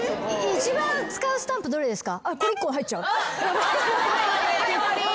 一番使うスタンプ何ですか？